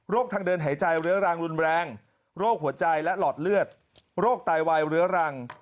ทางเดินหายใจเรื้อรังรุนแรงโรคหัวใจและหลอดเลือดโรคไตวายเรื้อรัง